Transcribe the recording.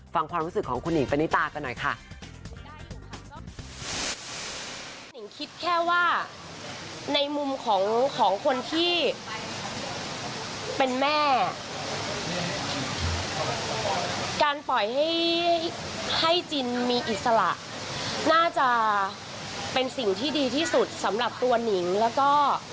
ฟังความรู้สึกของคุณหิงปณิตากันหน่อยค่ะ